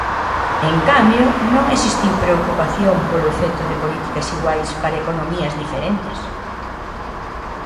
En cambio, non existiu preocupación polo efecto de políticas iguais para economías diferentes.